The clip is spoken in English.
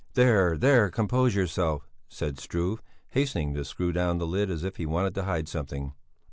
"There, there, compose yourself," said Struve, hastening to screw down the lid as if he wanted to hide something.